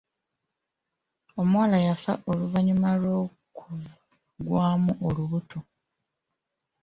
Omuwala yafa oluvannyuma lw’okuggyamu olubuto.